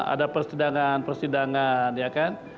ada persidangan persidangan ya kan